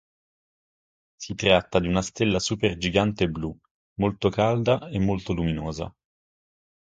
Si tratta di una stella supergigante blu molto calda e molto luminosa.